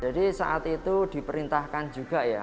jadi saat itu diperintahkan juga ya